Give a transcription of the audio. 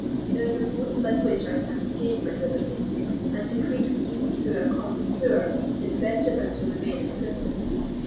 There is a mode by which I can regain my liberty; and to creep even through a common sewer is better than to remain in prison."